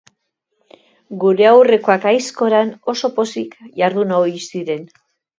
Gure aurrekoak aizkoran oso pozik jardun ohi ziren.